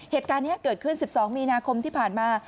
เหตุการณ์นี้เกิดขึ้น๑๒มีนาคมที่ผ่านมา